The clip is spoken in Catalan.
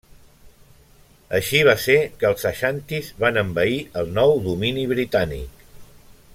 Així va ser que els aixantis van envair el nou domini britànic.